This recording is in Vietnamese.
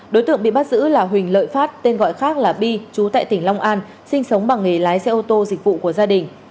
đối tượng bị bắt giữ là huỳnh lợi phát tên gọi khác là bi chú tại tỉnh long an sinh sống bằng nghề lái xe ô tô dịch vụ của gia đình